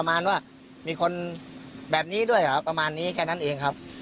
มีคนแบบนี้ด้วยเหรอแคระนั้นเองครับ